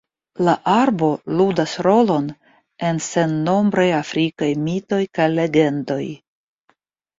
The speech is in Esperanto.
La arbo ludas rolon en sennombraj afrikaj mitoj kaj legendoj.